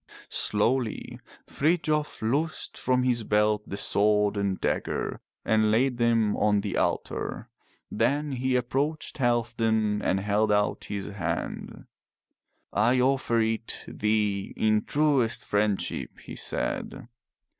Slowly Frithjof loosed from his belt the sword and dagger and laid them on the altar, then he approached Halfdan and held out his hand. "I offer it thee in truest friendship," he said.